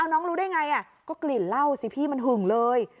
น้องรู้ได้ไงก็กลิ่นเหล้าสิพี่มันหึงเลย